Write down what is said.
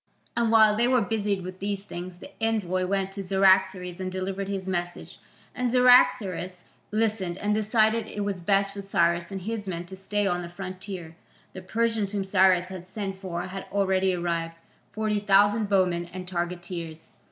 And while they were busied with these things the envoy went to Cyaxares and delivered his message, and Cyaxares listened and decided it was best for Cyrus and his men to stay on the frontier. The Persians whom Cyrus had sent for had already arrived, forty thousand bowmen and targeteers.